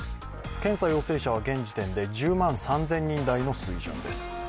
検査陽性者は現時点で１０万３０００人台の水準です。